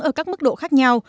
ở các mức độ khác nhau